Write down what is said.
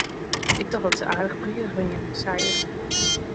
Ik tocht dat se aardich prizich wienen, sei er.